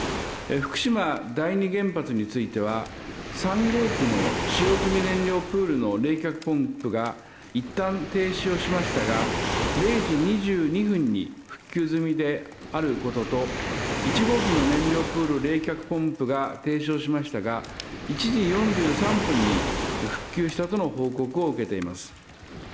福島第２原発については、３号機の使用済燃料プールの冷却ポンプが一旦停止をしましたが、０時２２分に復旧済みであることと、１号機の燃料プール冷却ポンプが停止をしましたが、１時４３分に復旧したとの報告を受けています。